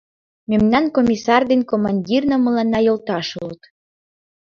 Мемнан комиссар ден командирна мыланна йолташ улыт.